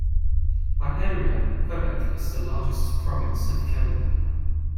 By area, Quebec is the largest province of Canada.